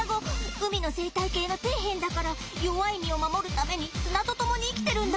海の生態系の底辺だから弱い身を守るために砂と共に生きてるんだ。